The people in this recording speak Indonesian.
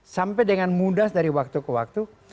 sampai dengan mudah dari waktu ke waktu